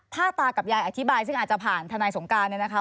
ถ้าตากับยายอธิบายซึ่งอาจจะผ่านทนายสงการเนี่ยนะคะ